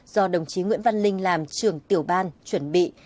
do đồng chí nguyễn văn linh làm trưởng tiểu ban chuẩn bị